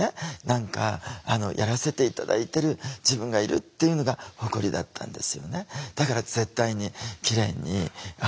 やらせて頂いてる自分がいるっていうのが誇りだったんですよね。